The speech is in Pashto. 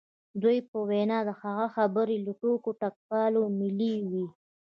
د دوی په وینا د هغه خبرې له ټوکو ټکالو ملې وې